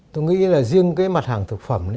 tôi nghĩ là riêng mặt hàng thực phẩm